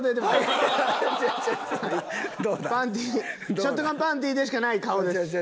ショットガンパンティでしかない顔です。